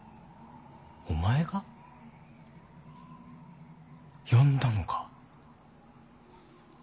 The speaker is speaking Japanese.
お前が呼んだのか。